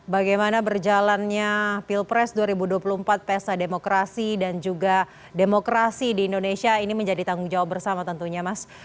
bagaimana berjalannya pilpres dua ribu dua puluh empat pesa demokrasi dan juga demokrasi di indonesia ini menjadi tanggung jawab bersama tentunya mas